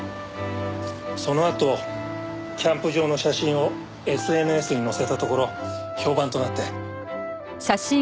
そのあとキャンプ場の写真をＳＮＳに載せたところ評判となって。